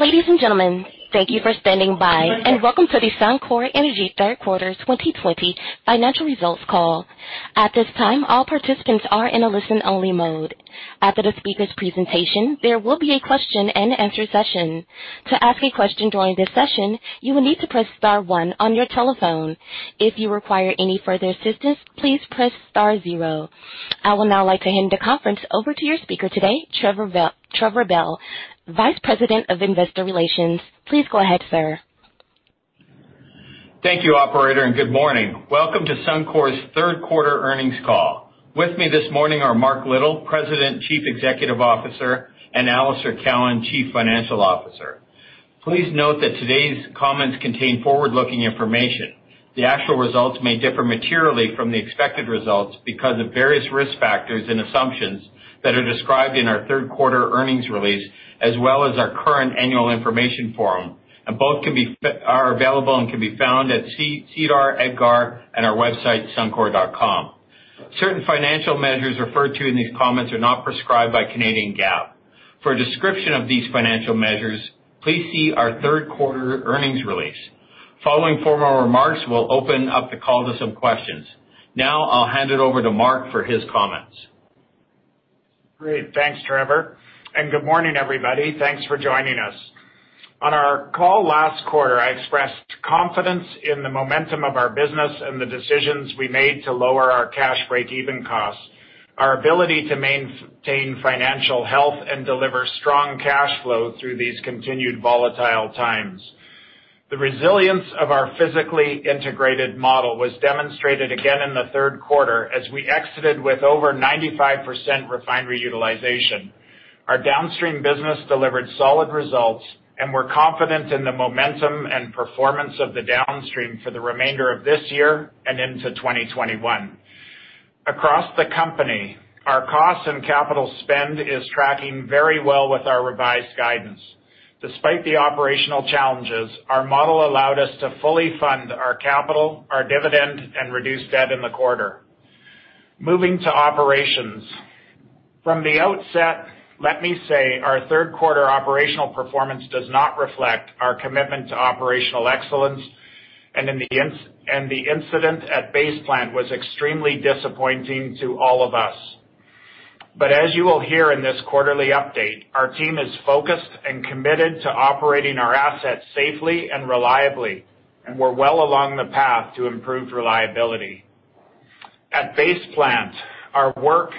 Ladies and gentlemen, thank you for standing by, and Welcome to the Suncor Energy third quarter 2020 financial results call. At this time, all participants are in a listen-only mode. After the speaker's presentation, there will be a question and answer session. To ask a question during this session, you will need to press star one on your telephone. If you require any further assistance, please press star zero. I would now like to hand the conference over to your speaker today, Trevor Bell, Vice President of Investor Relations. Please go ahead, sir. Thank you, operator, and good morning. Welcome to Suncor's third quarter earnings call. With me this morning are Mark Little, President Chief Executive Officer, and Alister Cowan, Chief Financial Officer. Please note that today's comments contain forward-looking information. The actual results may differ materially from the expected results because of various risk factors and assumptions that are described in our third quarter earnings release, as well as our current annual information form, and both are available and can be found at SEDAR, EDGAR, and our website, suncor.com. Certain financial measures referred to in these comments are not prescribed by Canadian GAAP. For a description of these financial measures, please see our third quarter earnings release. Following formal remarks, we'll open up the call to some questions. Now, I'll hand it over to Mark for his comments. Great. Thanks, Trevor, and good morning, everybody. Thanks for joining us. On our call last quarter, I expressed confidence in the momentum of our business and the decisions we made to lower our cash breakeven costs, our ability to maintain financial health, and deliver strong cash flow through these continued volatile times. The resilience of our physically integrated model was demonstrated again in the third quarter as we exited with over 95% refinery utilization. Our downstream business delivered solid results, and we're confident in the momentum and performance of the downstream for the remainder of this year and into 2021. Across the company, our cost and capital spend is tracking very well with our revised guidance. Despite the operational challenges, our model allowed us to fully fund our capital, our dividend, and reduce debt in the quarter. Moving to operations. From the outset, let me say our third-quarter operational performance does not reflect our commitment to operational excellence, and the incident at Base Plant was extremely disappointing to all of us. As you will hear in this quarterly update, our team is focused and committed to operating our assets safely and reliably, and we're well along the path to improved reliability. At Base Plant, our work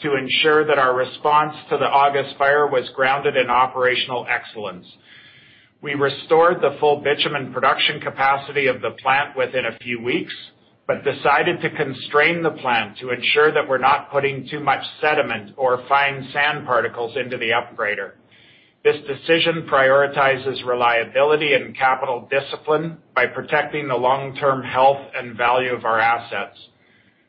to ensure that our response to the August fire was grounded in operational excellence. We restored the full bitumen production capacity of the plant within a few weeks but decided to constrain the plant to ensure that we're not putting too much sediment or fine sand particles into the upgrader. This decision prioritizes reliability and capital discipline by protecting the long-term health and value of our assets.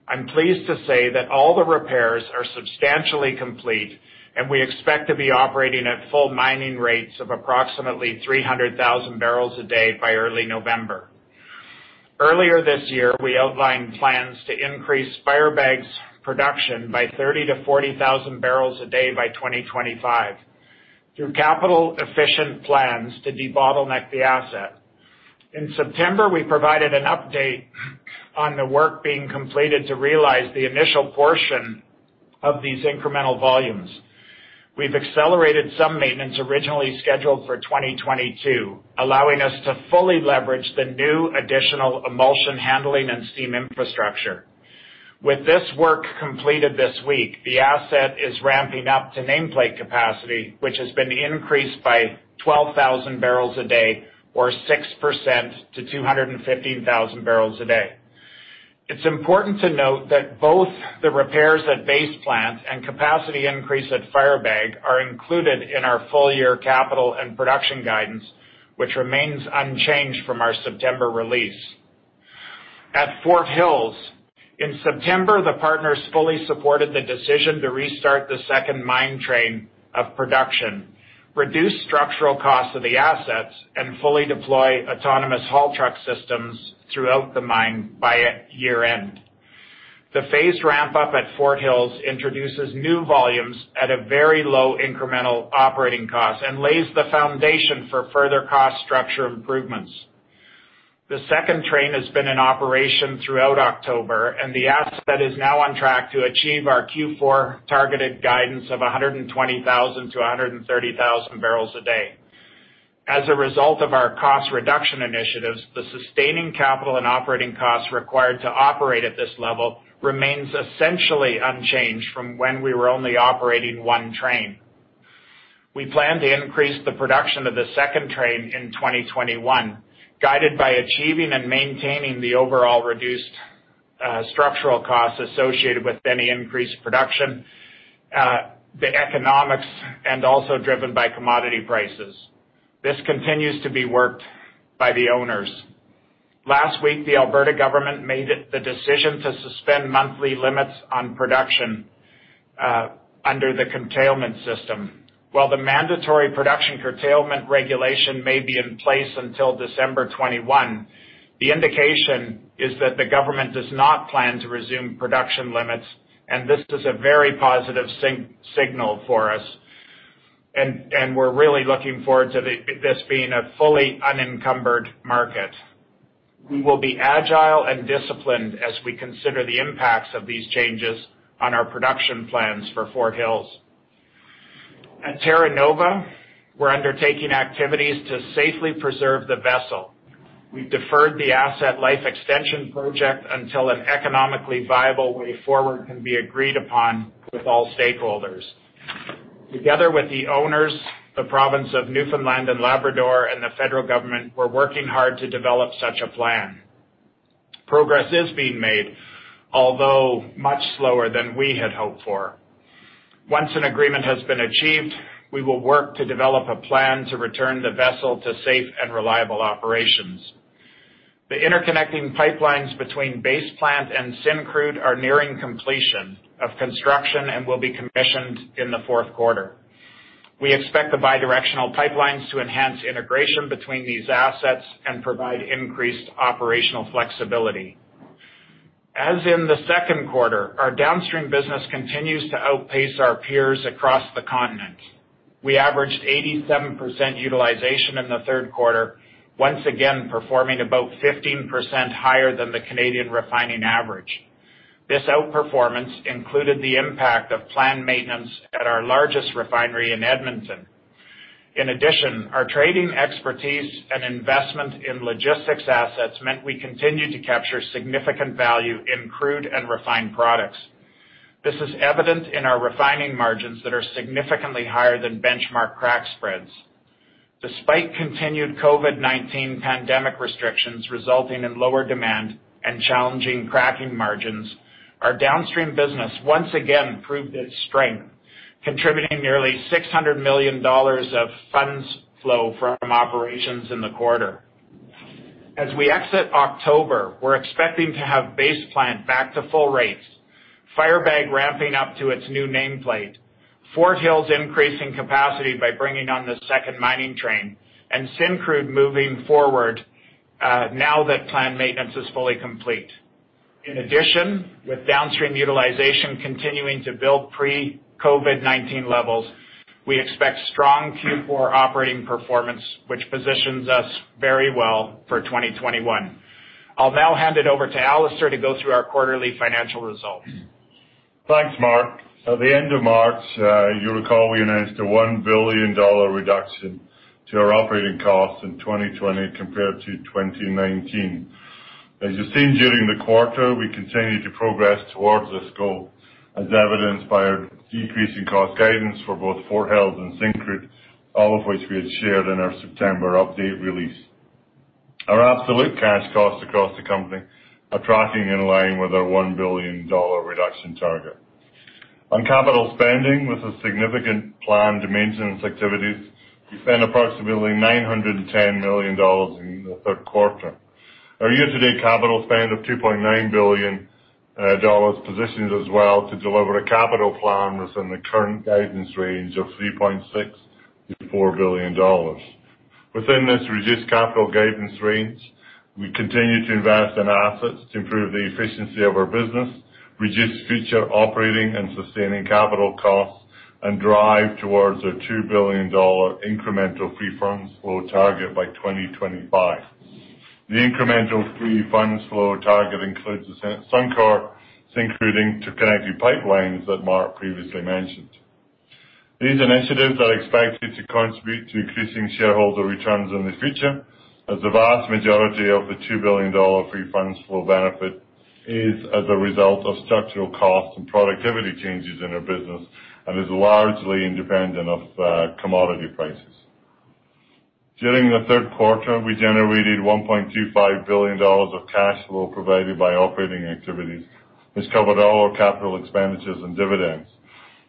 I'm pleased to say that all the repairs are substantially complete, and we expect to be operating at full mining rates of approximately 300,000 barrels a day by early November. Earlier this year, we outlined plans to increase Firebag's production by 30,000-40,000 barrels a day by 2025 through capital-efficient plans to debottleneck the asset. In September, we provided an update on the work being completed to realize the initial portion of these incremental volumes. We've accelerated some maintenance originally scheduled for 2022, allowing us to fully leverage the new additional emulsion handling and steam infrastructure. With this work completed this week, the asset is ramping up to nameplate capacity, which has been increased by 12,000 barrels a day or 6% to 215,000 barrels a day. It's important to note that both the repairs at Base Plant and capacity increase at Firebag are included in our full-year capital and production guidance, which remains unchanged from our September release. At Fort Hills, in September, the partners fully supported the decision to restart the second mine train of production, reduce structural costs of the assets, and fully deploy autonomous haul truck systems throughout the mine by year-end. The phased ramp-up at Fort Hills introduces new volumes at a very low incremental operating cost and lays the foundation for further cost structure improvements. The second train has been in operation throughout October, and the asset is now on track to achieve our Q4 targeted guidance of 120,000-130,000 barrels a day. As a result of our cost reduction initiatives, the sustaining capital and operating costs required to operate at this level remains essentially unchanged from when we were only operating one train. We plan to increase the production of the second train in 2021, guided by achieving and maintaining the overall reduced structural costs associated with any increased production, the economics, and also driven by commodity prices. This continues to be worked by the owners. Last week, the Alberta government made the decision to suspend monthly limits on production under the curtailment system. While the mandatory production curtailment regulation may be in place until December 21, the indication is that the government does not plan to resume production limits. This is a very positive signal for us. We're really looking forward to this being a fully unencumbered market. We will be agile and disciplined as we consider the impacts of these changes on our production plans for Fort Hills. At Terra Nova, we're undertaking activities to safely preserve the vessel. We've deferred the asset life extension project until an economically viable way forward can be agreed upon with all stakeholders. Together with the owners, the province of Newfoundland and Labrador and the federal government, we're working hard to develop such a plan. Progress is being made, although much slower than we had hoped for. Once an agreement has been achieved, we will work to develop a plan to return the vessel to safe and reliable operations. The interconnecting pipelines between Base Plant and Syncrude are nearing completion of construction and will be commissioned in the fourth quarter. We expect the bidirectional pipelines to enhance integration between these assets and provide increased operational flexibility. As in the second quarter, our downstream business continues to outpace our peers across the continent. We averaged 87% utilization in the third quarter, once again performing about 15% higher than the Canadian refining average. This outperformance included the impact of planned maintenance at our largest refinery in Edmonton. In addition, our trading expertise and investment in logistics assets meant we continued to capture significant value in crude and refined products. This is evident in our refining margins that are significantly higher than benchmark crack spreads. Despite continued COVID-19 pandemic restrictions resulting in lower demand and challenging cracking margins, our downstream business once again proved its strength, contributing nearly 600 million dollars of funds flow from operations in the quarter. As we exit October, we're expecting to have Base Plant back to full rates, Firebag ramping up to its new nameplate, Fort Hills increasing capacity by bringing on the second mining train, and Syncrude moving forward now that plant maintenance is fully complete. In addition, with downstream utilization continuing to build pre-COVID-19 levels, we expect strong Q4 operating performance, which positions us very well for 2021. I'll now hand it over to Alister to go through our quarterly financial results. Thanks, Mark. At the end of March, you'll recall we announced a 1 billion dollar reduction to our operating costs in 2020 compared to 2019. As you've seen during the quarter, we continue to progress towards this goal, as evidenced by our decreasing cost guidance for both Fort Hills and Syncrude, all of which we had shared in our September update release. Our absolute cash costs across the company are tracking in line with our 1 billion dollar reduction target. On capital spending, with the significant planned maintenance activities, we spent approximately 910 million dollars in the third quarter. Our year-to-date capital spend of 2.9 billion dollars positions us well to deliver a capital plan within the current guidance range of 3.6 billion-4 billion dollars. Within this reduced capital guidance range, we continue to invest in assets to improve the efficiency of our business, reduce future operating and sustaining capital costs, and drive towards a 2 billion dollar incremental free funds flow target by 2025. The incremental free funds flow target includes the Suncor Syncrude interconnecting pipelines that Mark previously mentioned. These initiatives are expected to contribute to increasing shareholder returns in the future, as the vast majority of the 2 billion dollar free funds flow benefit is as a result of structural cost and productivity changes in our business and is largely independent of commodity prices. During the third quarter, we generated 1.25 billion dollars of cash flow provided by operating activities. This covered all our capital expenditures and dividends.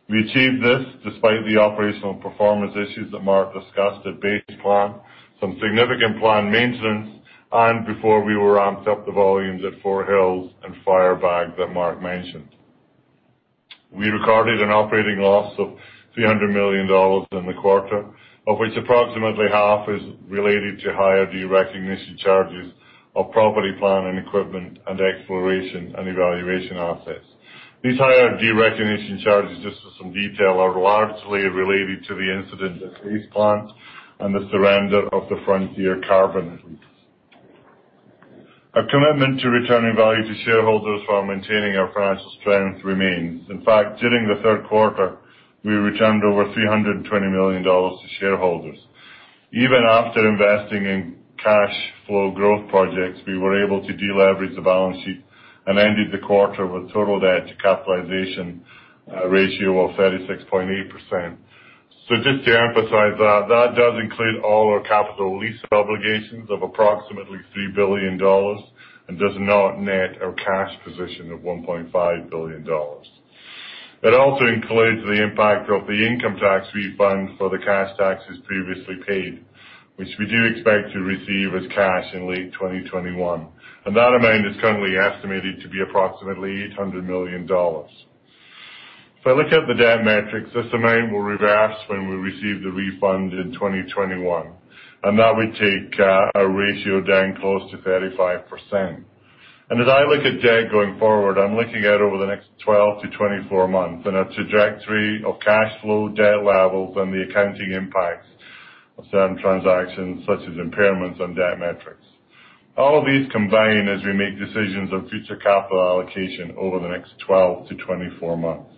We achieved this despite the operational performance issues that Mark discussed at Base Plant, some significant planned maintenance, and before we were ramped up the volumes at Fort Hills and Firebag that Mark mentioned. We recorded an operating loss of 300 million dollars in the quarter, of which approximately half is related to higher derecognition charges of property, plant and equipment, and exploration and evaluation assets. These higher derecognition charges, just for some detail, are largely related to the incident at Base Plant and the surrender of the Frontier oil sands lease. Our commitment to returning value to shareholders while maintaining our financial strength remains. In fact, during the third quarter, we returned over 320 million dollars to shareholders. Even after investing in cash flow growth projects, we were able to deleverage the balance sheet and ended the quarter with total debt to capitalization ratio of 36.8%. Just to emphasize that does include all our capital lease obligations of approximately 3 billion dollars and does not net our cash position of 1.5 billion dollars. It also includes the impact of the income tax refund for the cash taxes previously paid, which we do expect to receive as cash in late 2021. That amount is currently estimated to be approximately 800 million dollars. If I look at the debt metrics, this amount will reverse when we receive the refund in 2021, and that would take our ratio down close to 35%. As I look at debt going forward, I'm looking out over the next 12-24 months and a trajectory of cash flow, debt levels, and the accounting impacts of certain transactions, such as impairments on debt metrics. All of these combine as we make decisions on future capital allocation over the next 12-24 months.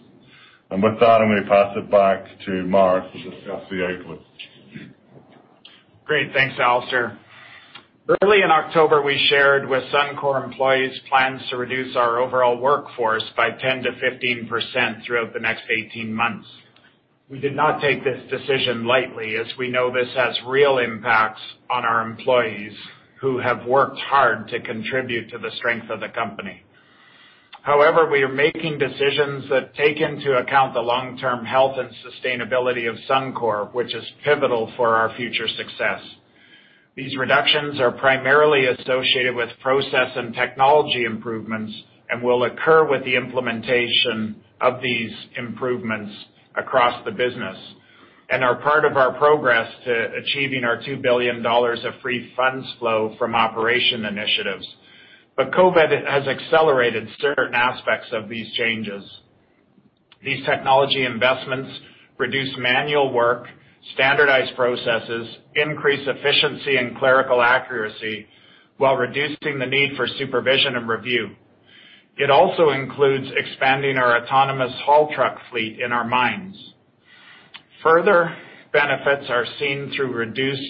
With that, I'm going to pass it back to Mark to discuss the outlook. Great. Thanks, Alister. Early in October, we shared with Suncor employees plans to reduce our overall workforce by 10%-15% throughout the next 18 months. We did not take this decision lightly, as we know this has real impacts on our employees who have worked hard to contribute to the strength of the company. We are making decisions that take into account the long-term health and sustainability of Suncor, which is pivotal for our future success. These reductions are primarily associated with process and technology improvements and will occur with the implementation of these improvements across the business and are part of our progress to achieving our 2 billion dollars of free funds flow from operation initiatives. COVID has accelerated certain aspects of these changes. These technology investments reduce manual work, standardize processes, increase efficiency and clerical accuracy while reducing the need for supervision and review. It also includes expanding our autonomous haul truck fleet in our mines. Further benefits are seen through reduced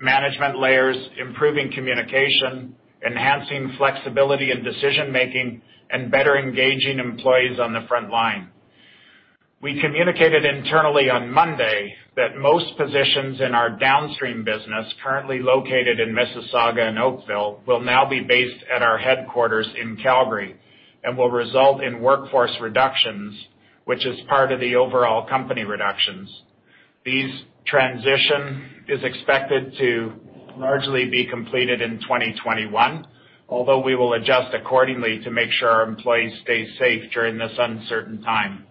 management layers, improving communication, enhancing flexibility and decision-making, and better engaging employees on the front line. We communicated internally on Monday that most positions in our downstream business, currently located in Mississauga and Oakville, will now be based at our headquarters in Calgary and will result in workforce reductions, which is part of the overall company reductions. This transition is expected to largely be completed in 2021, although we will adjust accordingly to make sure our employees stay safe during this uncertain time.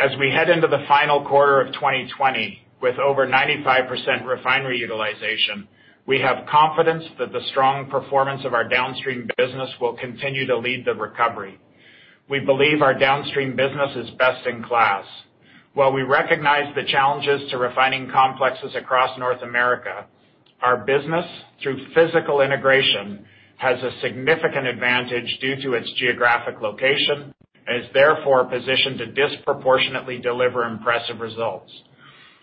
As we head into the final quarter of 2020 with over 95% refinery utilization, we have confidence that the strong performance of our downstream business will continue to lead the recovery. We believe our downstream business is best in class. While we recognize the challenges to refining complexes across North America, our business, through physical integration, has a significant advantage due to its geographic location and is therefore positioned to disproportionately deliver impressive results.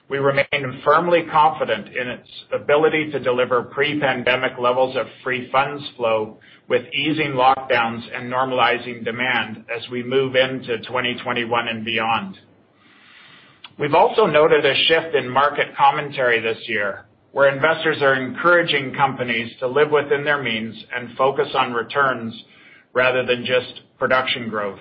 We remain firmly confident in its ability to deliver pre-pandemic levels of free funds flow with easing lockdowns and normalizing demand as we move into 2021 and beyond. We've also noted a shift in market commentary this year, where investors are encouraging companies to live within their means and focus on returns rather than just production growth.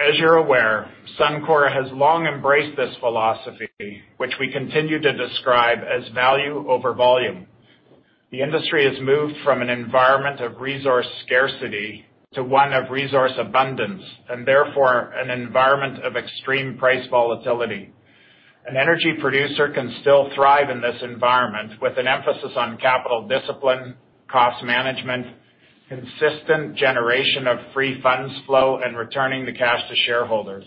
As you're aware, Suncor has long embraced this philosophy, which we continue to describe as value over volume. The industry has moved from an environment of resource scarcity to one of resource abundance, and therefore an environment of extreme price volatility. An energy producer can still thrive in this environment with an emphasis on capital discipline, cost management, consistent generation of free funds flow, and returning the cash to shareholders.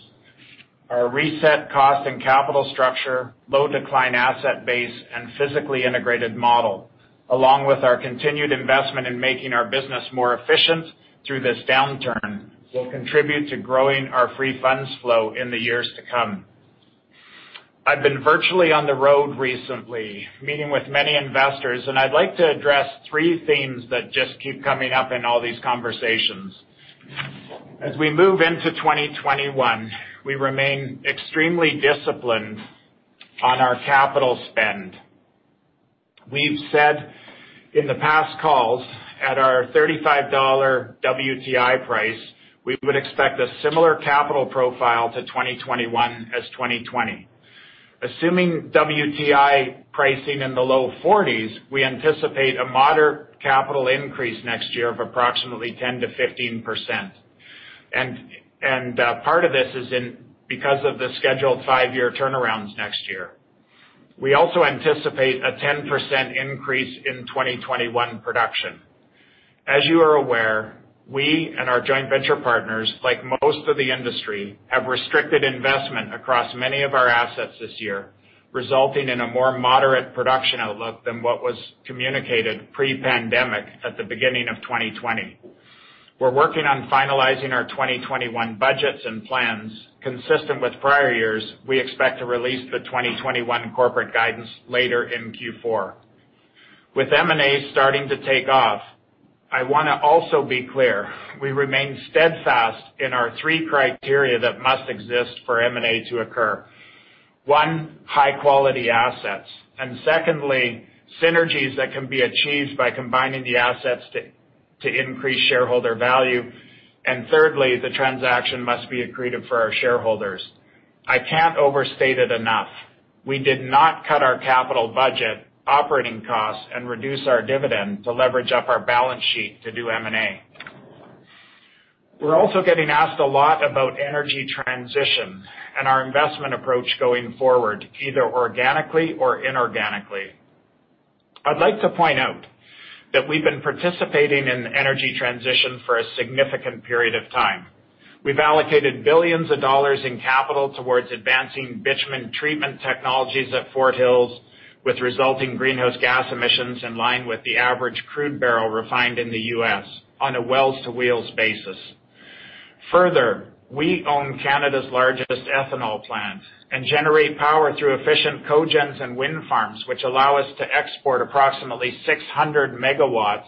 Our reset cost and capital structure, low decline asset base, and physically integrated model, along with our continued investment in making our business more efficient through this downturn, will contribute to growing our free funds flow in the years to come. I've been virtually on the road recently, meeting with many investors, and I'd like to address three themes that just keep coming up in all these conversations. As we move into 2021, we remain extremely disciplined on our capital spend. We've said in the past calls at our 35 dollar WTI price, we would expect a similar capital profile to 2021 as 2020. Assuming WTI pricing in the low 40s, we anticipate a moderate capital increase next year of approximately 10%-15%. Part of this is because of the scheduled five-year turnarounds next year. We also anticipate a 10% increase in 2021 production. As you are aware, we and our joint venture partners, like most of the industry, have restricted investment across many of our assets this year, resulting in a more moderate production outlook than what was communicated pre-pandemic at the beginning of 2020. We're working on finalizing our 2021 budgets and plans. Consistent with prior years, we expect to release the 2021 corporate guidance later in Q4. With M&A starting to take off, I want to also be clear, we remain steadfast in our three criteria that must exist for M&A to occur. One, high-quality assets. Secondly, synergies that can be achieved by combining the assets to increase shareholder value. Thirdly, the transaction must be accretive for our shareholders. I can't overstate it enough. We did not cut our capital budget operating costs and reduce our dividend to leverage up our balance sheet to do M&A. We're also getting asked a lot about energy transition and our investment approach going forward, either organically or inorganically. I'd like to point out that we've been participating in energy transition for a significant period of time. We've allocated billions of CAD in capital towards advancing bitumen treatment technologies at Fort Hills, with resulting greenhouse gas emissions in line with the average crude barrel refined in the U.S. on a wells-to-wheels basis. Further, we own Canada's largest ethanol plant and generate power through efficient cogens and wind farms, which allow us to export approximately 600 megawatts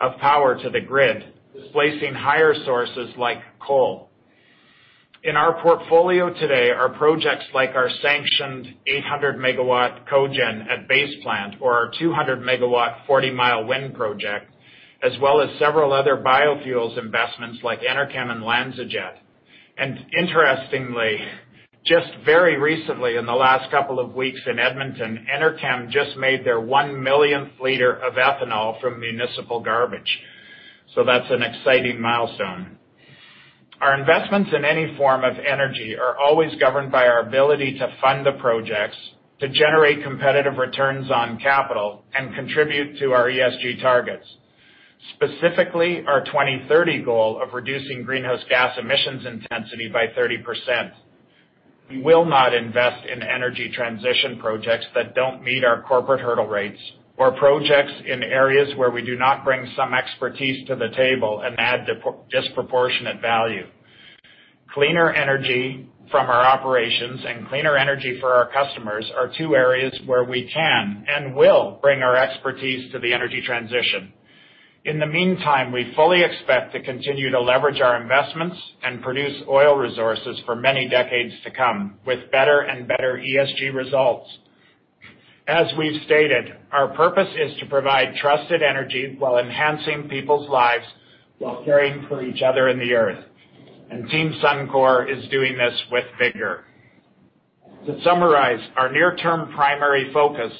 of power to the grid, displacing higher sources like coal. In our portfolio today are projects like our sanctioned 800 MW cogen at Base Plant or our 200 MW Forty Mile wind project, as well as several other biofuels investments like Enerkem and LanzaJet. Interestingly, just very recently, in the last couple of weeks in Edmonton, Enerkem just made their 1 millionth liter of ethanol from municipal garbage. So that's an exciting milestone. Our investments in any form of energy are always governed by our ability to fund the projects, to generate competitive returns on capital, and contribute to our ESG targets, specifically our 2030 goal of reducing greenhouse gas emissions intensity by 30%. We will not invest in energy transition projects that don't meet our corporate hurdle rates or projects in areas where we do not bring some expertise to the table and add disproportionate value. Cleaner energy from our operations and cleaner energy for our customers are two areas where we can, and will, bring our expertise to the energy transition. In the meantime, we fully expect to continue to leverage our investments and produce oil resources for many decades to come with better and better ESG results. As we've stated, our purpose is to provide trusted energy while enhancing people's lives while caring for each other and the Earth, and Team Suncor is doing this with vigor. To summarize, our near-term primary focus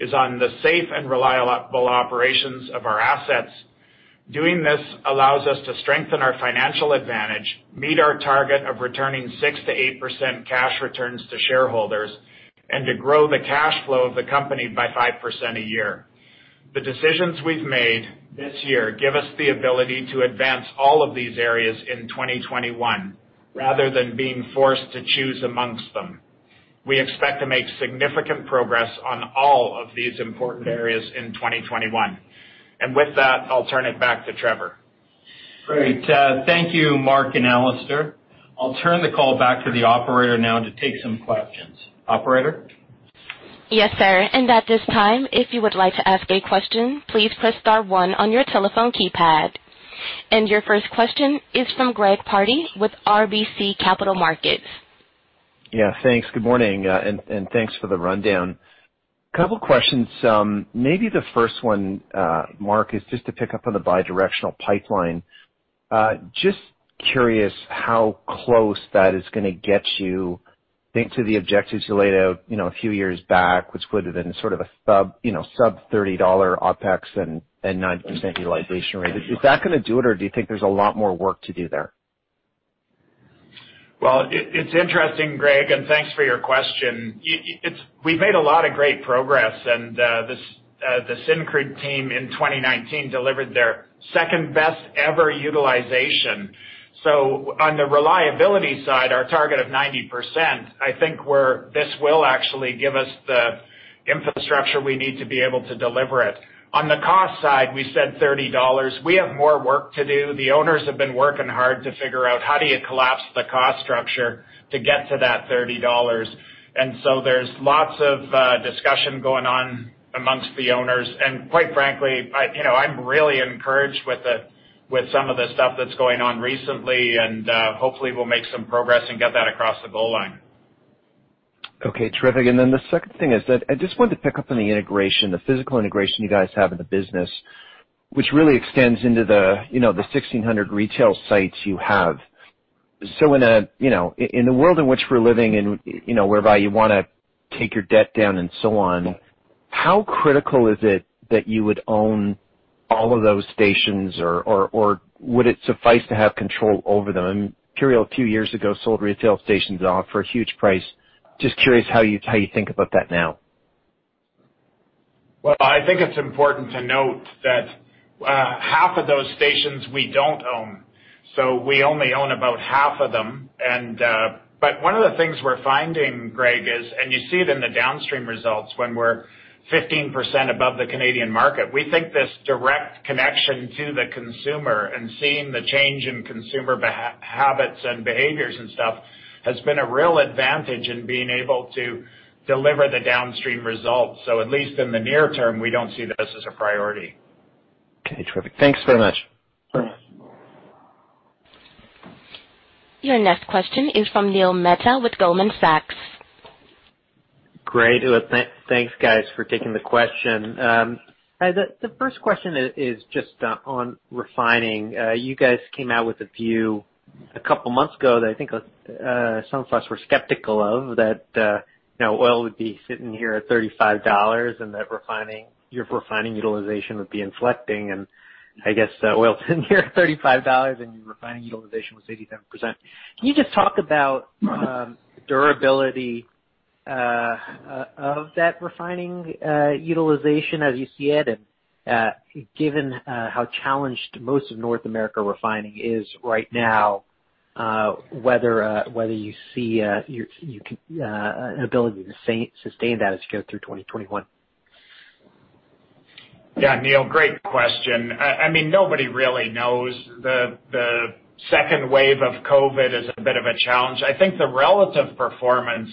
is on the safe and reliable operations of our assets. Doing this allows us to strengthen our financial advantage, meet our target of returning 6%-8% cash returns to shareholders, and to grow the cash flow of the company by 5% a year. The decisions we've made this year give us the ability to advance all of these areas in 2021 rather than being forced to choose amongst them. We expect to make significant progress on all of these important areas in 2021. With that, I'll turn it back to Trevor. Great. Thank you, Mark and Alister. I'll turn the call back to the operator now to take some questions. Operator? Yes, sir. At this time, if you would like to ask a question, please press star one on your telephone keypad. Your first question is from Greg Pardy with RBC Capital Markets. Yeah, thanks. Good morning, and thanks for the rundown. Couple questions. Maybe the first one, Mark, is just to pick up on the bi-directional pipeline. Just curious how close that is gonna get you, I think, to the objectives you laid out a few years back, which would've been sort of a sub-CAD 30 OpEx and 90% utilization rate. Is that gonna do it, or do you think there's a lot more work to do there? Well, it's interesting, Greg, and thanks for your question. We've made a lot of great progress, and the Syncrude team in 2019 delivered their second-best ever utilization. On the reliability side, our target of 90%, I think this will actually give us the infrastructure we need to be able to deliver it. On the cost side, we said 30 dollars. We have more work to do. The owners have been working hard to figure out how do you collapse the cost structure to get to that 30 dollars. There's lots of discussion going on amongst the owners. Quite frankly, I'm really encouraged with some of the stuff that's going on recently, and hopefully we'll make some progress and get that across the goal line. Okay, terrific. The second thing is that I just wanted to pick up on the integration, the physical integration you guys have in the business, which really extends into the 1,600 retail sites you have. In the world in which we're living in whereby you want to take your debt down and so on, how critical is it that you would own all of those stations? Or would it suffice to have control over them? Imperial, a few years ago, sold retail stations off for a huge price. Just curious how you think about that now. I think it's important to note that half of those stations we don't own, so we only own about half of them. One of the things we're finding, Greg, is, and you see it in the downstream results when we're 15% above the Canadian market, we think this direct connection to the consumer and seeing the change in consumer habits and behaviors and stuff has been a real advantage in being able to deliver the downstream results. At least in the near term, we don't see this as a priority. Okay, terrific. Thanks very much. Sure. Your next question is from Neil Mehta with Goldman Sachs. Great. Thanks, guys, for taking the question. The first question is just on refining. You guys came out with a view a couple months ago that I think some of us were skeptical of, that oil would be sitting here at 35 dollars and that your refining utilization would be inflecting, and I guess oil sitting here at 35 dollars and your refining utilization was 87%. Can you just talk about durability of that refining utilization as you see it, and given how challenged most of North America refining is right now, whether you see an ability to sustain that as you go through 2021? Neil, great question. Nobody really knows. The second wave of COVID is a bit of a challenge. I think the relative performance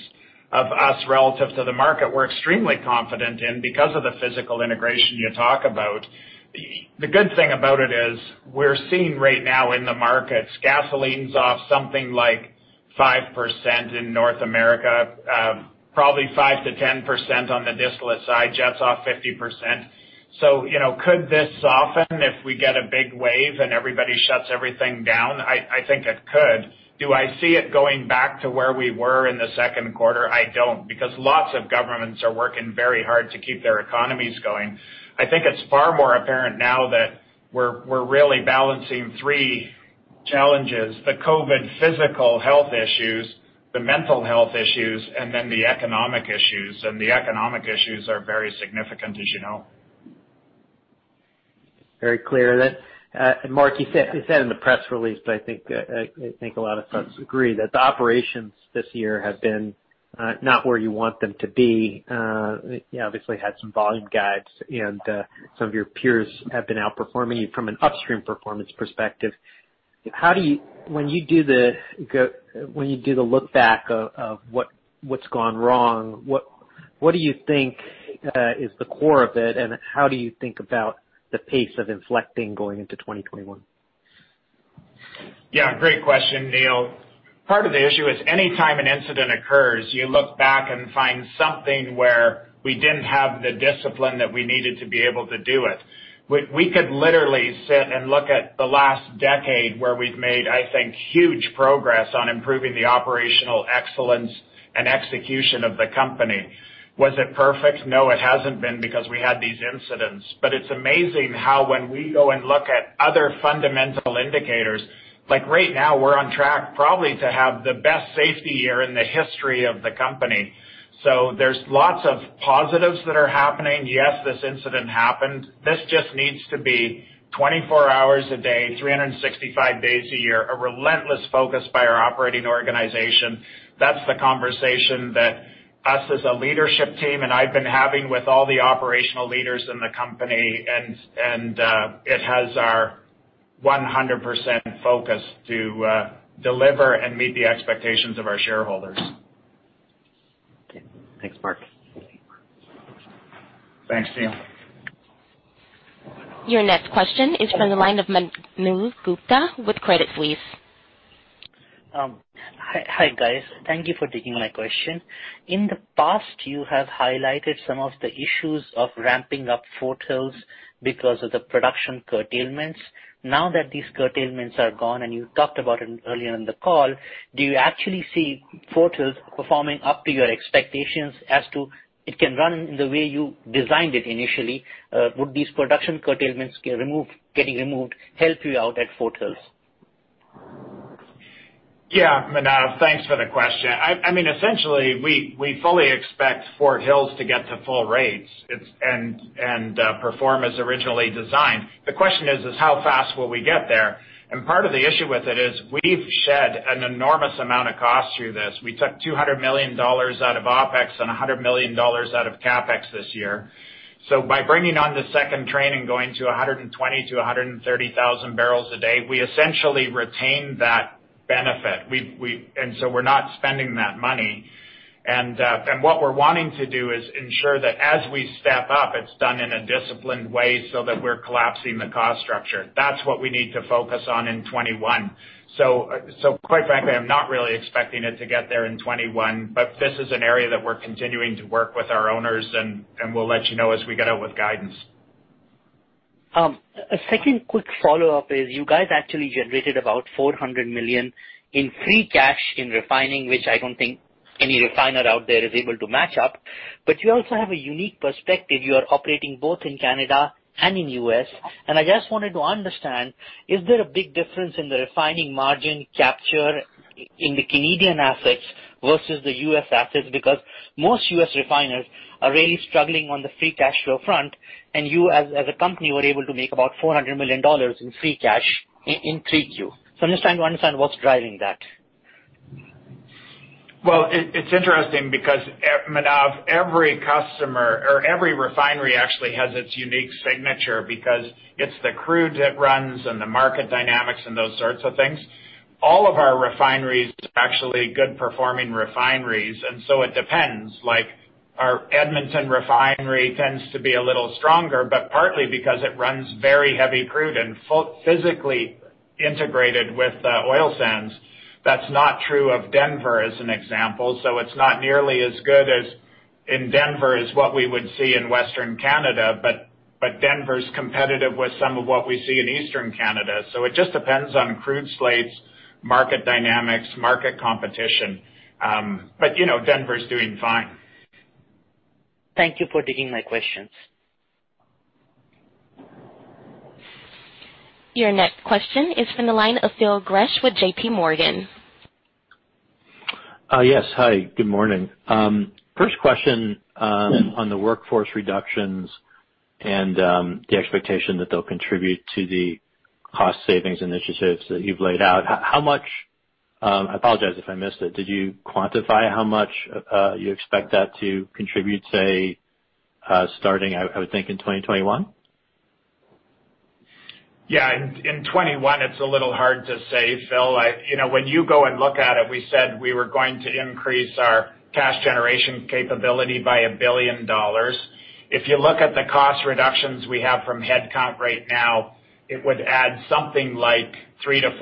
of us relative to the market, we're extremely confident in because of the physical integration you talk about. The good thing about it is we're seeing right now in the markets, gasoline's off something like 5% in North America, probably 5%-10% on the distillate side, jet's off 50%. Could this soften if we get a big wave and everybody shuts everything down? I think it could. Do I see it going back to where we were in the second quarter? I don't, because lots of governments are working very hard to keep their economies going. I think it's far more apparent now that we're really balancing three challenges, the COVID physical health issues, the mental health issues, and then the economic issues. The economic issues are very significant, as you know. Very clear there. Mark, you said in the press release, but I think a lot of us agree that the operations this year have been not where you want them to be. You obviously had some volume guides and some of your peers have been outperforming you from an upstream performance perspective. When you do the look back of what's gone wrong, what do you think is the core of it, and how do you think about the pace of inflecting going into 2021? Yeah, great question, Neil. Part of the issue is anytime an incident occurs, you look back and find something where we didn't have the discipline that we needed to be able to do it. We could literally sit and look at the last decade where we've made, I think, huge progress on improving the operational excellence and execution of the company. Was it perfect? No, it hasn't been because we had these incidents. It's amazing how when we go and look at other fundamental indicators, like right now we're on track probably to have the best safety year in the history of the company. There's lots of positives that are happening. Yes, this incident happened. This just needs to be 24 hours a day, 365 days a year, a relentless focus by our operating organization. That's the conversation that us as a leadership team, and I've been having with all the operational leaders in the company, and it has our 100% focus to deliver and meet the expectations of our shareholders. Okay. Thanks, Mark. Thanks, Neil. Your next question is from the line of Manav Gupta with Credit Suisse. Hi, guys. Thank you for taking my question. In the past, you have highlighted some of the issues of ramping up Fort Hills because of the production curtailments. Now that these curtailments are gone, and you talked about it earlier in the call, do you actually see Fort Hills performing up to your expectations as to it can run in the way you designed it initially? Would these production curtailments getting removed help you out at Fort Hills? Yeah, Manav. Thanks for the question. Essentially, we fully expect Fort Hills to get to full rates and perform as originally designed. The question is how fast will we get there? Part of the issue with it is we've shed an enormous amount of cost through this. We took 200 million dollars out of OpEx and 100 million dollars out of CapEx this year. By bringing on the second train and going to 120,000-130,000 barrels a day, we essentially retain that benefit. We're not spending that money. What we're wanting to do is ensure that as we step up, it's done in a disciplined way so that we're collapsing the cost structure. That's what we need to focus on in 2021. Quite frankly, I'm not really expecting it to get there in 2021, but this is an area that we're continuing to work with our owners and we'll let you know as we get out with guidance. A second quick follow-up is you guys actually generated about 400 million in free cash in refining, which I don't think any refiner out there is able to match up. You also have a unique perspective. You are operating both in Canada and in U.S., and I just wanted to understand, is there a big difference in the refining margin capture in the Canadian assets versus the U.S. assets? Most U.S. refiners are really struggling on the free cash flow front, and you, as a company, were able to make about 400 million dollars in free cash in 3Q. I'm just trying to understand what's driving that. Well, it's interesting because, Manav, every customer or every refinery actually has its unique signature because it's the crude it runs and the market dynamics and those sorts of things. All of our refineries are actually good performing refineries. It depends. Like our Edmonton refinery tends to be a little stronger, but partly because it runs very heavy crude and physically integrated with oil sands. That's not true of Denver, as an example. It's not nearly as good as in Denver is what we would see in Western Canada, but Denver is competitive with some of what we see in Eastern Canada. It just depends on crude slates, market dynamics, market competition. Denver is doing fine. Thank you for taking my questions. Your next question is from the line of Phil Gresh with JPMorgan. Yes. Hi, good morning. First question. Yeah. On the workforce reductions and the expectation that they'll contribute to the cost savings initiatives that you've laid out, I apologize if I missed it, did you quantify how much you expect that to contribute, say, starting, I would think, in 2021? In 2021, it's a little hard to say, Phil. When you go and look at it, we said we were going to increase our cash generation capability by 1 billion dollars. If you look at the cost reductions we have from headcount right now, it would add something like 300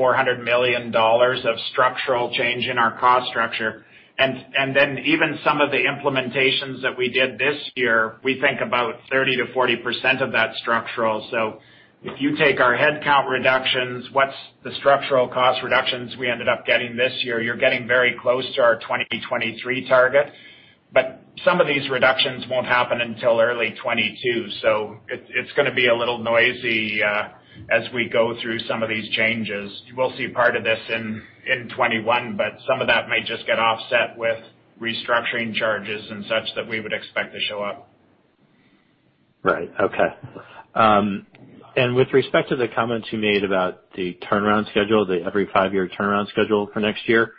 million-400 million dollars of structural change in our cost structure. Even some of the implementations that we did this year, we think about 30%-40% of that structural. If you take our headcount reductions, what's the structural cost reductions we ended up getting this year? You're getting very close to our 2023 target. Some of these reductions won't happen until early 2022, it's going to be a little noisy as we go through some of these changes. You will see part of this in 2021, but some of that may just get offset with restructuring charges and such that we would expect to show up. Right. Okay. With respect to the comments you made about the turnaround schedule, the every five-year turnaround schedule for next year,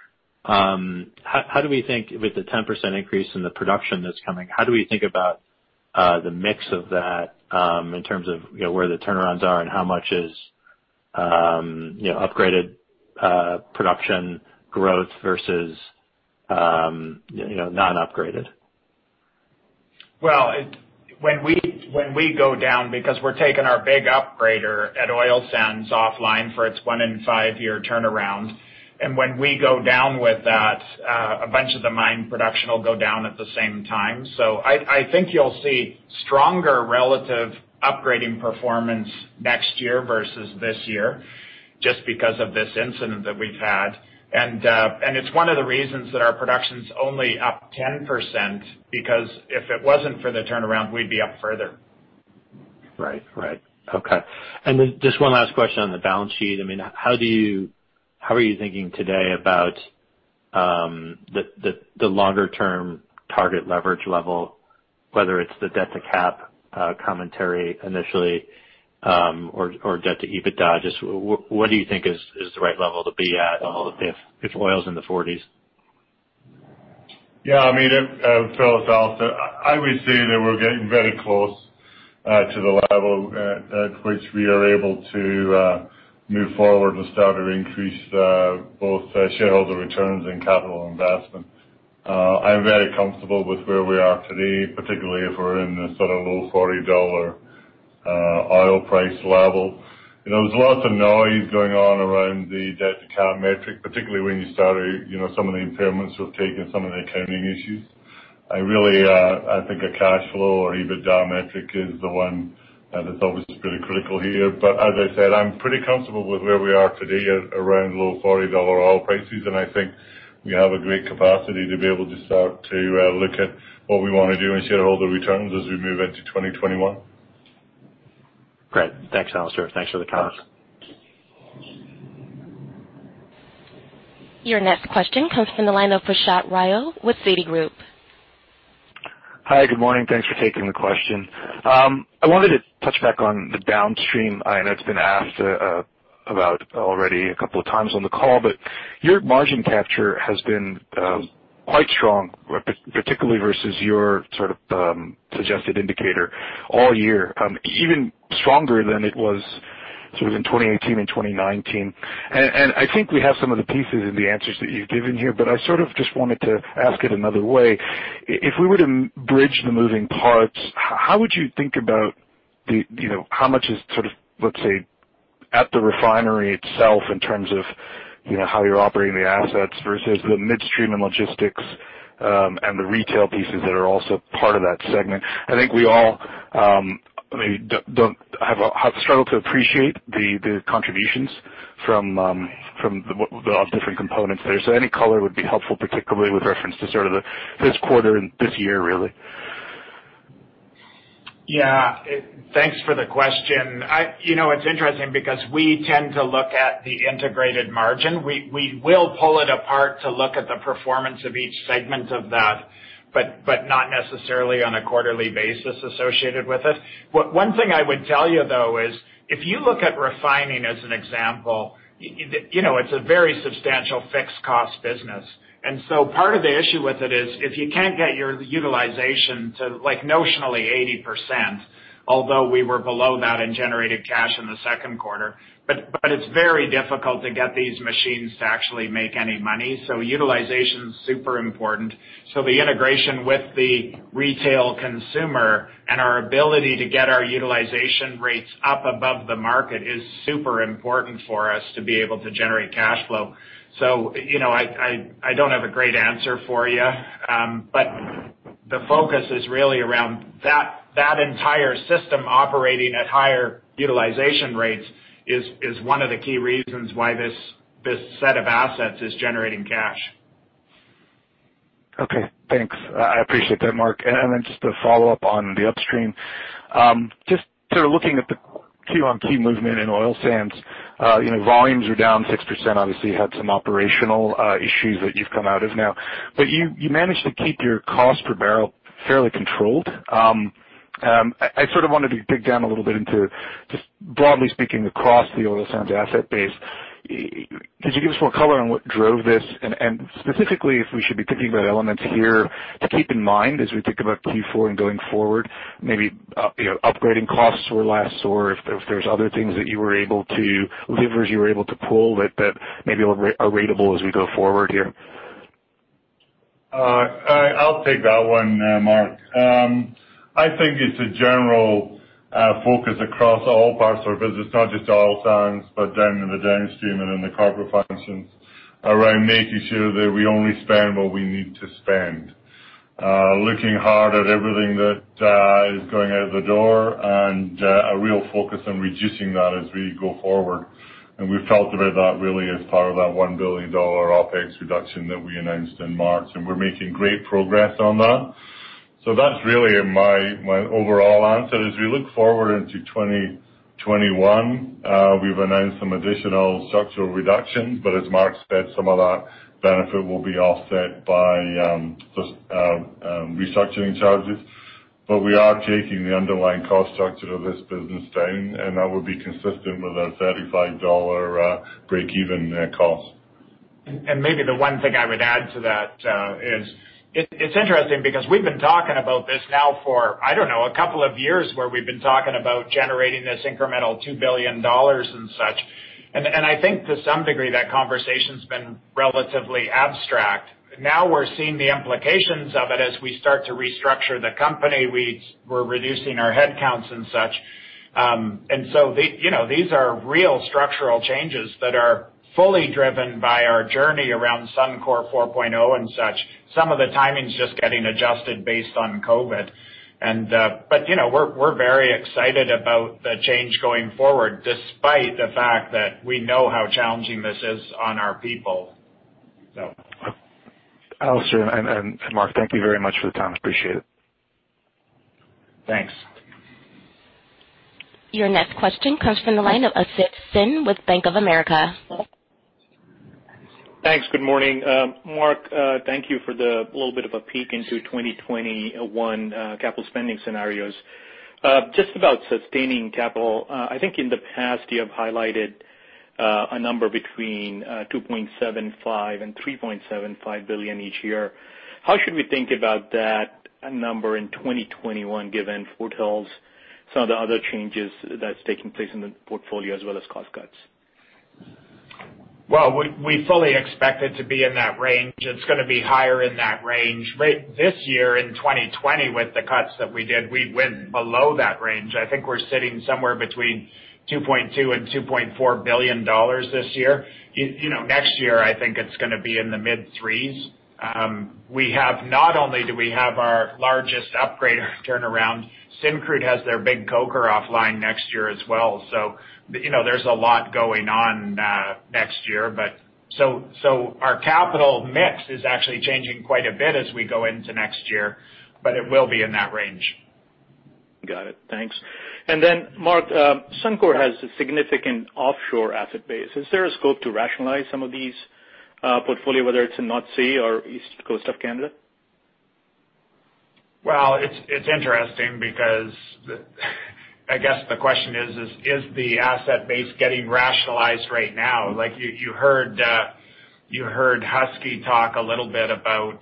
with the 10% increase in the production that's coming, how do we think about the mix of that in terms of where the turnarounds are and how much is upgraded production growth versus non-upgraded? When we go down, because we're taking our big upgrader at oil sands offline for its one-in-five-year turnaround, and when we go down with that, a bunch of the mine production will go down at the same time. I think you'll see stronger relative upgrading performance next year versus this year just because of this incident that we've had. It's one of the reasons that our production's only up 10%, because if it wasn't for the turnaround, we'd be up further. Right. Okay. Just one last question on the balance sheet. How are you thinking today about the longer-term target leverage level, whether it's the debt-to-cap commentary initially or debt to EBITDA? Just what do you think is the right level to be at if oil's in the 40s? Yeah. Phil, it's Alister. I would say that we're getting very close to the level at which we are able to move forward and start to increase both shareholder returns and capital investment. I'm very comfortable with where we are today, particularly if we're in the sort of low 40 dollar oil price level. There's lots of noise going on around the debt-to-cap metric, particularly when you start some of the impairments we've taken, some of the accounting issues. I think a cash flow or EBITDA metric is the one that's obviously pretty critical here. As I said, I'm pretty comfortable with where we are today at around low 40 dollar oil prices, and I think we have a great capacity to be able to start to look at what we want to do in shareholder returns as we move into 2021. Great. Thanks, Alister. Thanks for the comments. Your next question comes from the line of Prashant Rao with Citigroup. Hi. Good morning. Thanks for taking the question. I wanted to touch back on the downstream. I know it's been asked about already a couple of times on the call, but your margin capture has been quite strong, particularly versus your sort of suggested indicator all year, even stronger than it was sort of in 2018 and 2019. I think we have some of the pieces in the answers that you've given here, but I sort of just wanted to ask it another way. If we were to bridge the moving parts, how would you think about how much is sort of, let's say, at the refinery itself in terms of how you're operating the assets versus the midstream and logistics, and the retail pieces that are also part of that segment? I think we all have struggled to appreciate the contributions from the different components there. Any color would be helpful, particularly with reference to sort of this quarter and this year, really. Thanks for the question. It's interesting because we tend to look at the integrated margin. We will pull it apart to look at the performance of each segment of that, but not necessarily on a quarterly basis associated with it. One thing I would tell you, though, is if you look at refining as an example, it's a very substantial fixed cost business. Part of the issue with it is if you can't get your utilization to notionally 80%, although we were below that in generated cash in the second quarter, but it's very difficult to get these machines to actually make any money. Utilization's super important. The integration with the retail consumer and our ability to get our utilization rates up above the market is super important for us to be able to generate cash flow. I don't have a great answer for you. The focus is really around that entire system operating at higher utilization rates is one of the key reasons why this set of assets is generating cash. Okay, thanks. I appreciate that, Mark. Just to follow up on the upstream, just sort of looking at the Q-on-Q movement in oil sands, volumes are down 6%. Obviously, you had some operational issues that you've come out of now. You managed to keep your cost per barrel fairly controlled. I sort of wanted to dig down a little bit into, just broadly speaking, across the oil sands asset base, could you give us more color on what drove this? Specifically, if we should be thinking about elements here to keep in mind as we think about Q4 and going forward, maybe upgrading costs were less, or if there's other things that levers you were able to pull that maybe are ratable as we go forward here. I'll take that one, Mark. I think it's a general focus across all parts of our business, not just oil sands, but down in the downstream and in the corporate functions, around making sure that we only spend what we need to spend. Looking hard at everything that is going out of the door and a real focus on reducing that as we go forward. We've talked about that really as part of that 1 billion dollar OpEx reduction that we announced in March, and we're making great progress on that. That's really my overall answer. As we look forward into 2021, we've announced some additional structural reductions, but as Mark said, some of that benefit will be offset by restructuring charges. We are taking the underlying cost structure of this business down, and that would be consistent with a 35 dollar breakeven cost. Maybe the one thing I would add to that is, it's interesting because we've been talking about this now for, I don't know, a couple of years, where we've been talking about generating this incremental 2 billion dollars and such. I think to some degree, that conversation's been relatively abstract. Now we're seeing the implications of it as we start to restructure the company. We're reducing our headcounts and such. These are real structural changes that are fully driven by our journey around Suncor 4.0 and such. Some of the timing's just getting adjusted based on COVID. We're very excited about the change going forward, despite the fact that we know how challenging this is on our people. Alister and Mark, thank you very much for the time. Appreciate it. Thanks. Your next question comes from the line of Asit Sen with Bank of America. Thanks. Good morning. Mark, thank you for the little bit of a peek into 2021 capital spending scenarios. Just about sustaining capital. I think in the past, you have highlighted a number between 2.75 billion and 3.75 billion each year. How should we think about that number in 2021, given Fort Hills, some of the other changes that's taking place in the portfolio as well as cost cuts? Well, we fully expect it to be in that range. It's going to be higher in that range. This year, in 2020, with the cuts that we did, we went below that range. I think we're sitting somewhere between 2.2 billion and 2.4 billion dollars this year. Next year, I think it's going to be in the mid threes. Not only do we have our largest upgrader turnaround, Syncrude has their big coker offline next year as well. There's a lot going on next year. Our capital mix is actually changing quite a bit as we go into next year, but it will be in that range. Got it. Thanks. Mark, Suncor has a significant offshore asset base. Is there a scope to rationalize some of these portfolio, whether it's in North Sea or East Coast of Canada? It's interesting because, I guess the question is the asset base getting rationalized right now? You heard Husky talk a little bit about,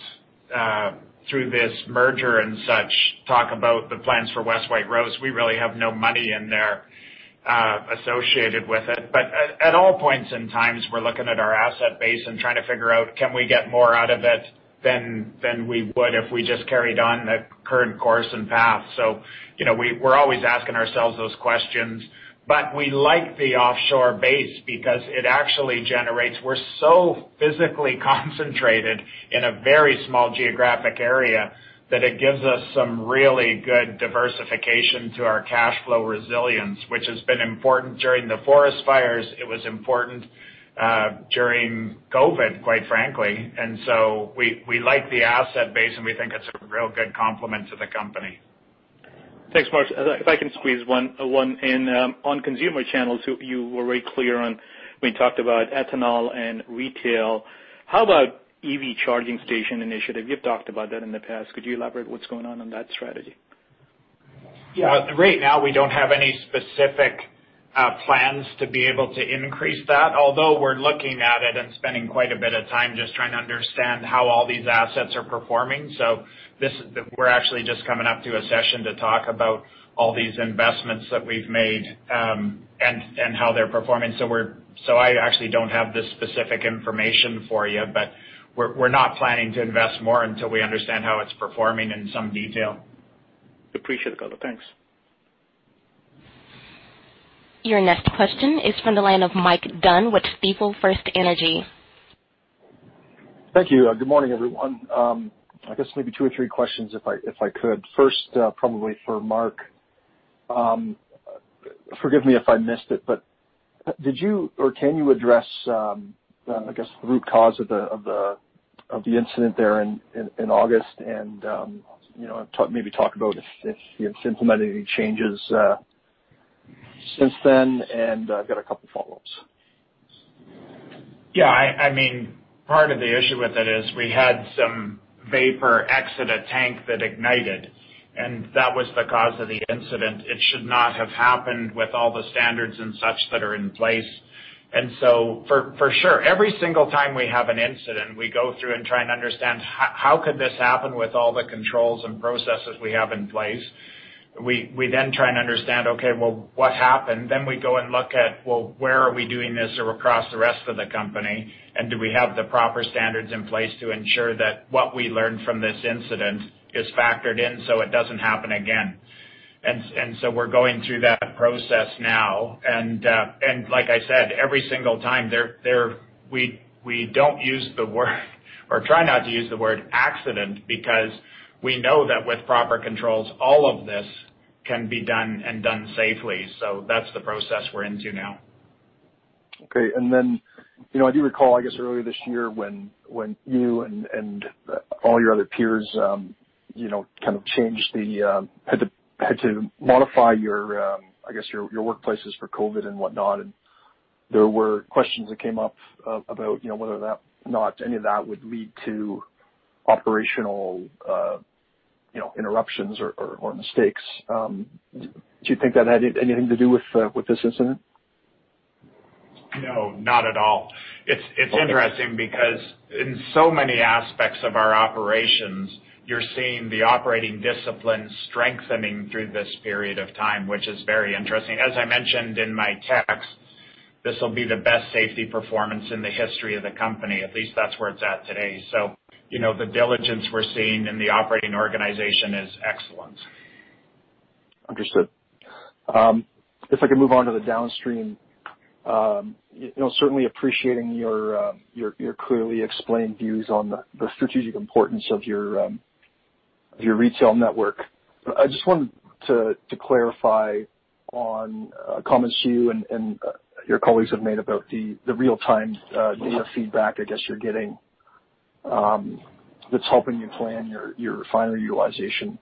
through this merger and such, talk about the plans for West White Rose. We really have no money in there associated with it. At all points in times, we're looking at our asset base and trying to figure out, can we get more out of it than we would if we just carried on the current course and path. We're always asking ourselves those questions. We like the offshore base because it actually generates. We're so physically concentrated in a very small geographic area that it gives us some really good diversification to our cash flow resilience, which has been important during the forest fires. It was important during COVID, quite frankly. We like the asset base, and we think it's a real good complement to the company. Thanks, Mark. If I can squeeze one in on consumer channels, you were very clear on when you talked about ethanol and retail. How about EV charging station initiative? You've talked about that in the past. Could you elaborate what's going on that strategy? Yeah. Right now, we don't have any specific plans to be able to increase that, although we're looking at it and spending quite a bit of time just trying to understand how all these assets are performing. We're actually just coming up to a session to talk about all these investments that we've made, and how they're performing. I actually don't have the specific information for you, but we're not planning to invest more until we understand how it's performing in some detail. Appreciate the color. Thanks. Your next question is from the line of Mike Dunn with Stifel FirstEnergy. Thank you. Good morning, everyone. I guess maybe two or three questions if I could. First, probably for Mark. Forgive me if I missed it, but did you or can you address, I guess, the root cause of the incident there in August and maybe talk about if you've implemented any changes since then, I've got a couple of follow-ups. Yeah. Part of the issue with it is we had some vapor exit a tank that ignited, and that was the cause of the incident. It should not have happened with all the standards and such that are in place. For sure, every single time we have an incident, we go through and try and understand how could this happen with all the controls and processes we have in place? We then try and understand, okay, well, what happened? We go and look at, well, where are we doing this or across the rest of the company, and do we have the proper standards in place to ensure that what we learned from this incident is factored in so it doesn't happen again? We're going through that process now, and like I said, every single time, we don't use the word or try not to use the word accident because we know that with proper controls, all of this can be done and done safely. That's the process we're into now. Okay. I do recall, I guess, earlier this year when you and all your other peers had to modify your workplaces for COVID and whatnot, and there were questions that came up about whether or not any of that would lead to operational interruptions or mistakes. Do you think that had anything to do with this incident? No, not at all. It's interesting because in so many aspects of our operations, you're seeing the operating discipline strengthening through this period of time, which is very interesting. As I mentioned in my text, this will be the best safety performance in the history of the company. At least that's where it's at today. The diligence we're seeing in the operating organization is excellent. Understood. If I could move on to the downstream. Certainly appreciating your clearly explained views on the strategic importance of your retail network. I just wanted to clarify on comments you and your colleagues have made about the real-time data feedback I guess you're getting that's helping you plan your refinery utilization.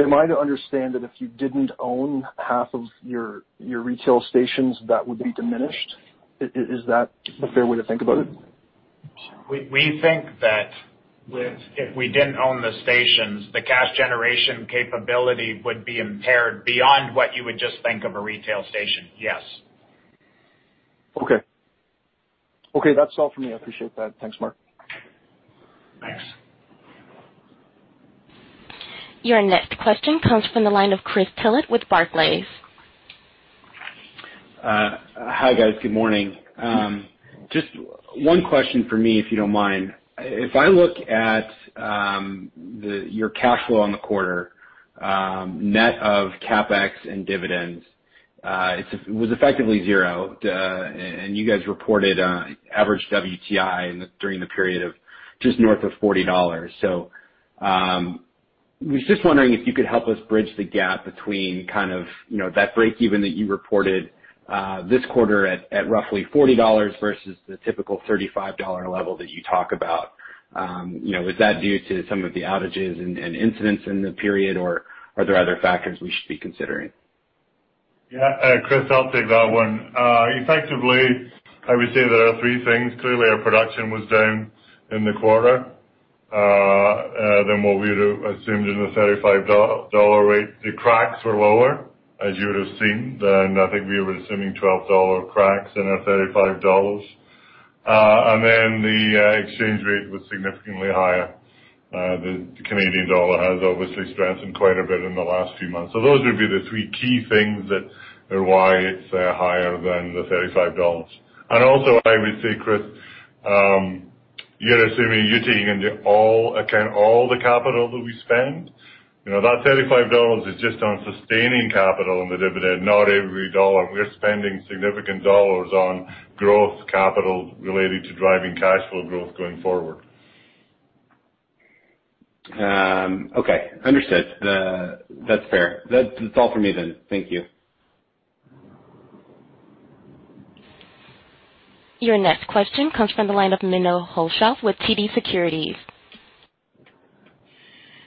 Am I to understand that if you didn't own half of your retail stations, that would be diminished? Is that a fair way to think about it? We think that if we didn't own the stations, the cash generation capability would be impaired beyond what you would just think of a retail station. Yes. Okay. That's all for me. I appreciate that. Thanks, Mark. Thanks. Your next question comes from the line of Chris Tillett with Barclays. Hi, guys. Good morning. Just one question from me, if you don't mind. If I look at your cash flow on the quarter, net of CapEx and dividends, it was effectively zero. You guys reported average WTI during the period of just north of 40 dollars. Was just wondering if you could help us bridge the gap between kind of that breakeven that you reported this quarter at roughly 40 dollars versus the typical 35 dollar level that you talk about. Is that due to some of the outages and incidents in the period, or are there other factors we should be considering? Yeah, Chris, I'll take that one. Effectively, I would say there are three things. Clearly, our production was down in the quarter than what we would assumed in the 35 dollar rate. The cracks were lower, as you would have seen, than I think we were assuming 12 dollar cracks and a CAD 35. The exchange rate was significantly higher. The Canadian dollar has obviously strengthened quite a bit in the last few months. Those would be the three key things that are why it's higher than the 35 dollars. Also, I would say, Chris, you're assuming you're taking into all account all the capital that we spend. That 35 dollars is just on sustaining capital and the dividend, not every dollar. We're spending significant dollars on growth capital related to driving cash flow growth going forward. Okay. Understood. That's fair. That's all for me then. Thank you. Your next question comes from the line of Menno Hulshof with TD Securities.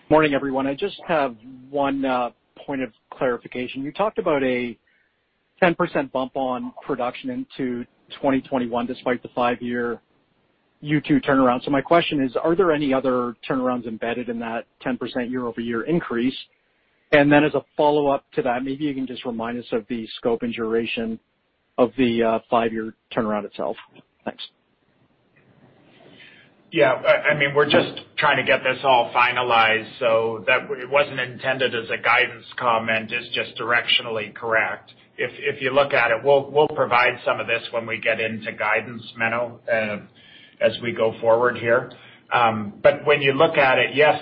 Morning, everyone. I just have one point of clarification. You talked about a 10% bump on production into 2021 despite the five-year U2 turnaround. My question is, are there any other turnarounds embedded in that 10% year-over-year increase? As a follow-up to that, maybe you can just remind us of the scope and duration of the five-year turnaround itself. Thanks. We're just trying to get this all finalized so that it wasn't intended as a guidance comment, it's just directionally correct. When you look at it, we'll provide some of this when we get into guidance, Menno, as we go forward here. When you look at it, yes,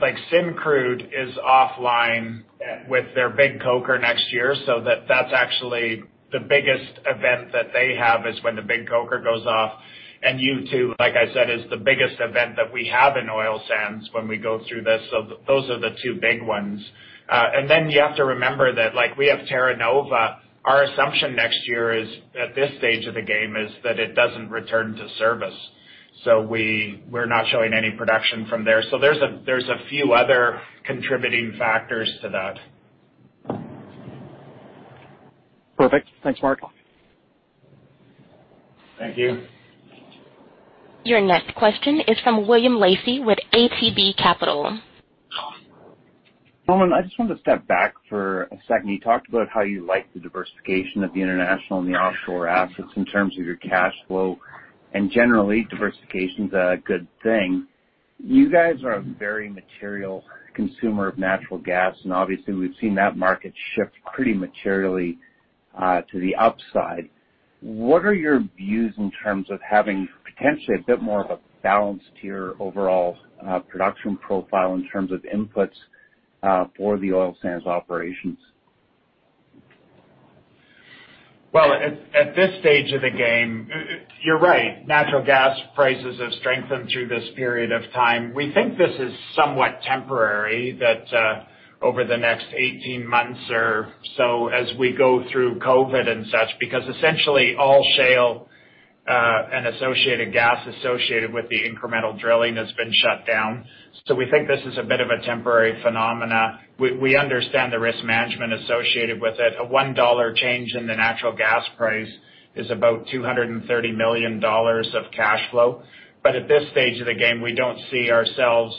like Syncrude is offline with their big coker next year, so that's actually the biggest event that they have, is when the big coker goes off. U2, like I said, is the biggest event that we have in oil sands when we go through this. Those are the 2 big ones. You have to remember that, we have Terra Nova. Our assumption next year at this stage of the game is that it doesn't return to service. We're not showing any production from there. There's a few other contributing factors to that. Perfect. Thanks, Mark. Thank you. Your next question is from William Lacey with ATB Capital. Hello. I just wanted to step back for a second. You talked about how you like the diversification of the international and the offshore assets in terms of your cash flow, and generally, diversification's a good thing. You guys are a very material consumer of natural gas, and obviously, we've seen that market shift pretty materially to the upside. What are your views in terms of having potentially a bit more of a balance to your overall production profile in terms of inputs for the oil sands operations? Well, at this stage of the game, you're right. Natural gas prices have strengthened through this period of time. We think this is somewhat temporary, that over the next 18 months or so, as we go through COVID and such, because essentially all shale and associated gas associated with the incremental drilling has been shut down. We think this is a bit of a temporary phenomena. We understand the risk management associated with it. A 1 dollar change in the natural gas price is about 230 million dollars of cash flow. At this stage of the game, we don't see ourselves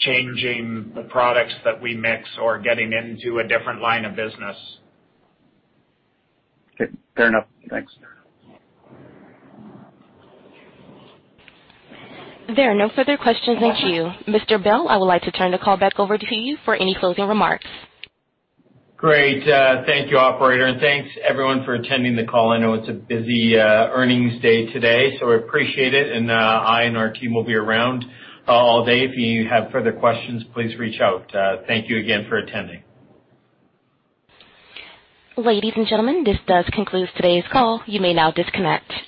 changing the products that we mix or getting into a different line of business. Okay. Fair enough. Thanks. There are no further questions in queue. Mr. Bell, I would like to turn the call back over to you for any closing remarks. Great. Thank you, operator. Thanks everyone for attending the call. I know it's a busy earnings day today, so I appreciate it, and I and our team will be around all day. If you have further questions, please reach out. Thank you again for attending. Ladies and gentlemen, this does conclude today's call. You may now disconnect.